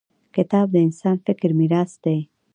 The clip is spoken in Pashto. • کتاب د انسان فکري میراث دی.